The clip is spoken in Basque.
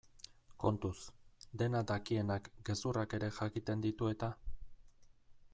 Kontuz, dena dakienak gezurrak ere jakiten ditu eta?